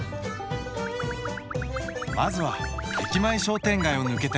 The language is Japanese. まずは駅前商店街を抜けてビーチへ。